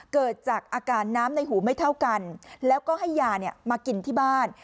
เกิดจากอาการน้ำในหูไม่เท่ากันแล้วก็ให้ยามากินที่บ้าน